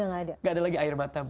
gak ada lagi air matamu